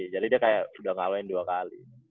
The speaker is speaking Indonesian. jadi dia kayak udah ngalahin dua kali